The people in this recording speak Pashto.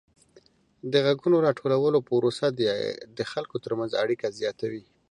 د غږونو راټولولو پروسه د خلکو ترمنځ اړیکه زیاتوي.